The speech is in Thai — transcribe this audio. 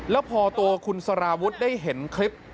แล้วพอตัวคุณสารวุฒิได้เห็นคลิป